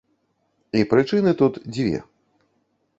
І прычыны тут дзве.